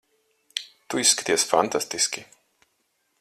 Tu izskaties fantastiski.